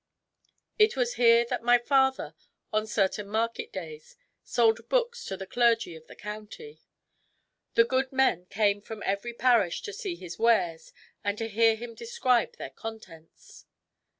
It was here that my father, on certain market days, sold books to the clergy of the county. The good men came from every parish to see his wares and to hear him describe their contents."